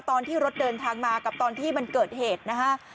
ตอนที่รถเดินทางมากับตอนที่มันเกิดเหตุนะฮะ